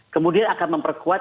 kemudian akan memperkuat